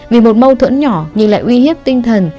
vì một mâu thuẫn nhỏ nhưng lại uy hiếp tinh thần